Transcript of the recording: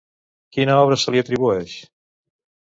Quina obra se li atribueix?